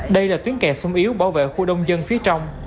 đây là tuyến kè sung yếu bảo vệ khu đông dân phía trong